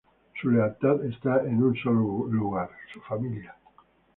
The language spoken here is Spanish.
Su lealtad esta en un sólo lugar: su familia.